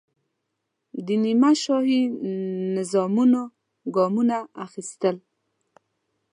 د نیمه شاهي نظامونو ګامونه اخیستل.